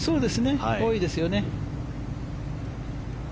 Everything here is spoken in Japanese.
多いですよね。